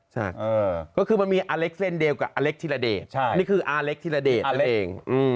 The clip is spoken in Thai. ใช่ก็คือมันมีอเล็กซ์เซ็นเดลกับอเล็กซ์ธิระเดตนี่คืออเล็กซ์ธิระเดตเอง